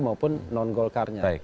maupun non golkarnya